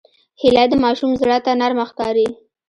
هیلۍ د ماشوم زړه ته نرمه ښکاري